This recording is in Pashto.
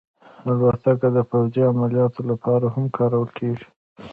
الوتکه د پوځي عملیاتو لپاره هم کارول کېږي.